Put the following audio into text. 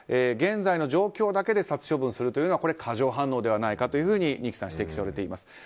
現在の状況だけで殺処分するのは過剰反応ではないかと二木さんは指摘されています。